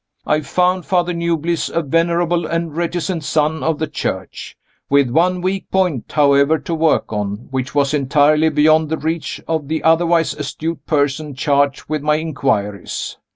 I found Father Newbliss a venerable and reticent son of the Church with one weak point, however, to work on, which was entirely beyond the reach of the otherwise astute person charged with my inquiries.